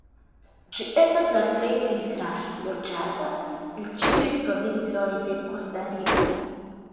Ĝi estas la plej disa loĝata el ĉiuj provincoj de Kostariko.